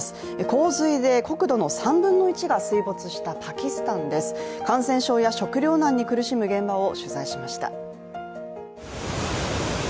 洪水で国土の３分の１が水没したパキスタンです感染症や食糧難に苦しむ現場を取材しました。